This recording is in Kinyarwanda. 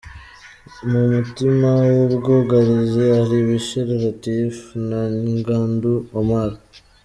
Mu mutima w’ubwugarizi hari Bishira Latif na Ngandou Omar.